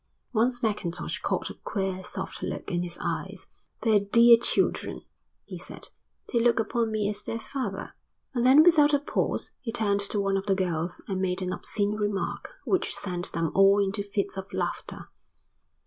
Once Mackintosh caught a queer soft look in his eyes. "They're dear children," he said. "They look upon me as their father." And then without a pause he turned to one of the girls and made an obscene remark which sent them all into fits of laughter.